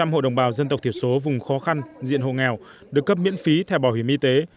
một trăm hộ đồng bào dân tộc thiểu số vùng khó khăn diện hộ nghèo được cấp miễn phí theo bảo hiểm y tế